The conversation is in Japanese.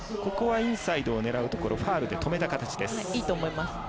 インサイドを狙うところをファウルで止めた形。